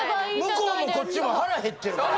向こうもこっちも腹減ってるから。